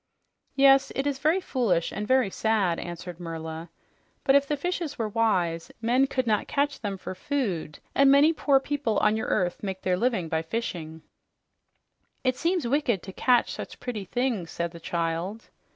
"Yes, it is very foolish and very sad," answered Merla. "But if the fish were wise, men could not catch them for food, and many poor people on your earth make their living by fishing." "It seems wicked to catch such pretty things," said the child.